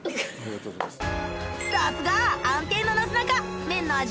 さすが安定のなすなか！